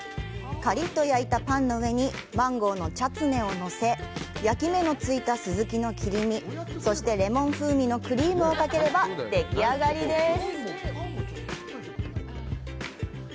カリッと焼いたパンの上にマンゴーのチャツネをのせ焼き目のついたスズキの切り身、そして、レモン風味のクリームをかければでき上がりです。